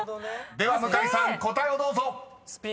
［では向井さん答えをどうぞ］